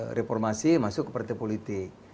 reformasi masuk ke partai politik